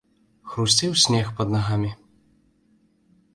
Хрусцеў снег пад нагамі.